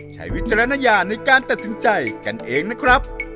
วิจารณญาณในการตัดสินใจกันเองนะครับ